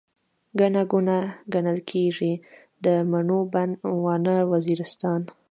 ګڼه ګوڼه، ګڼل کيږي، د مڼو بڼ، واڼه وزيرستان